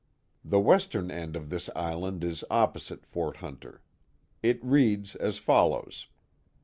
The western end of this island is opposite Fort Hunter. It reads as follows: as